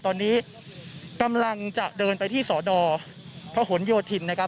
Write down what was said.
ตอนนี้กำลังจะเดินไปที่สนพหนโยธินนะครับ